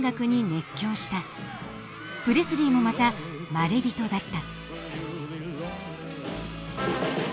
プレスリーもまたまれびとだった。